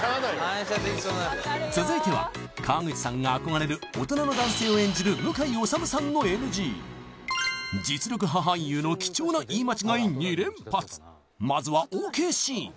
続いては川口さんが憧れる大人の男性を演じる実力派俳優の貴重な言い間違い２連発まずはＯＫシーン